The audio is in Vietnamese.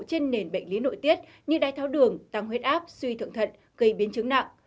trên nền bệnh lý nội tiết như đái tháo đường tăng huyết áp suy thượng thận gây biến chứng nặng